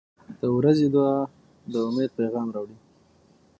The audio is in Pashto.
• د ورځې دعا د امید پیغام راوړي.